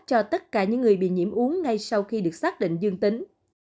cho tất cả những người bị nhiễm uống ngay sau khi được xác định dương tính